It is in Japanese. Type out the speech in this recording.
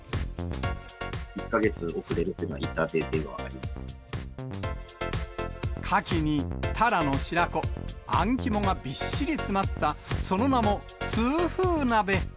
１か月遅れるっていうのは、カキにタラの白子、あん肝がびっしり詰まった、その名も痛風鍋。